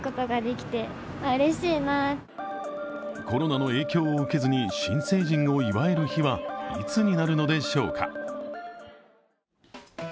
コロナの影響を受けずに新成人を祝える日はいつになるのでしょうか。